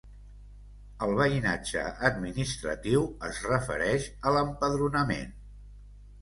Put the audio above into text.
El veïnatge administratiu es refereix a l'empadronament.